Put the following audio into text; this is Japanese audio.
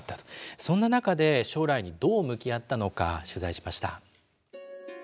そんな中で将来にどう向き合ったのか取材しました。